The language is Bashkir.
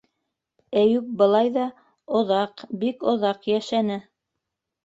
Әйүп былай ҙа оҙаҡ, бик оҙаҡ йәшәне...